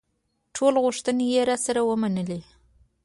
ټولې غوښتنې یې راسره ومنلې.